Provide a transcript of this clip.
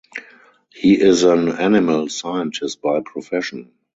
He is an animal scientist by profession.